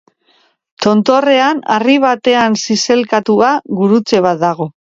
Tontorrean, harri batean zizelkatua, gurutze bat dago.